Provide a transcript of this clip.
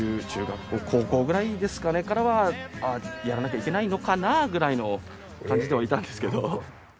中学校高校くらいですかねからはやらなきゃいけないのかなくらいの感じではいたんですけど。